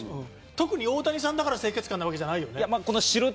特に大谷さんだから清潔感なわけじゃないよね。